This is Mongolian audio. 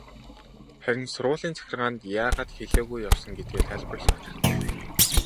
Харин сургуулийн захиргаанд яагаад хэлээгүй явсан гэдгээ тайлбарлах хэрэгтэй.